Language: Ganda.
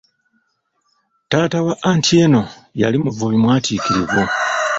Taata wa Atieno yali muvubi mwatiikirivu.